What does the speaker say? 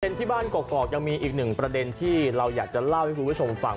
ที่บ้านกรอกยังมีอีกหนึ่งประเด็นที่เราอยากจะเล่าให้คุณผู้ชมฟัง